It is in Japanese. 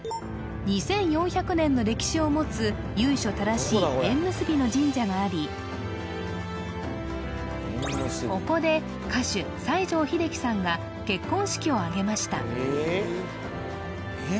２４００年の歴史を持つ由緒正しい縁結びの神社がありここで歌手・西城秀樹さんが結婚式を挙げましたえっ？